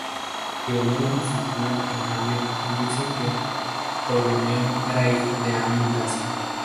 Diodoro Sículo en cambio, dice que Ptolomeo era hijo de Amintas.